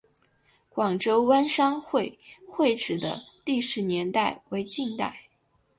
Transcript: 广州湾商会会址的历史年代为近代。